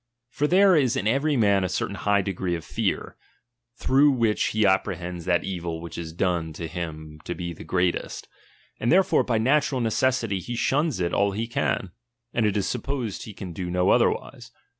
For there is in w rensthimt every man a certain liigh degree of fear, through i^^j b im^ which he apprehends that evil which is done to him to be the greatest ; and therefore by natural necessity he shuns it all he can, and it is supposed he can do no otherwise.